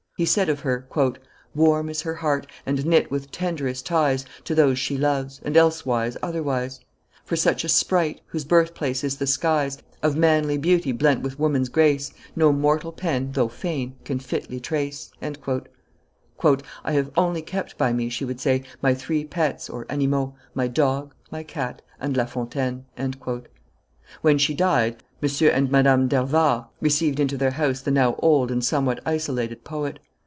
He said of her, "Warm is her heart, and knit with tenderest ties To those she loves, and, elsewise, otherwise; For such a sprite, whose birthplace is the skies, Of manly beauty blent with woman's grace, No mortal pen, though fain, can fitly trace." "I have only kept by me," she would say, "my three pets (animaux): my dog, my cat, and La Fontaine." When she died, M. and Madame d'Hervart received into their house the now old and somewhat isolated poet.